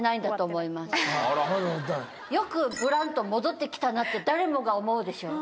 よくブランドン戻って来たなって誰もが思うでしょ？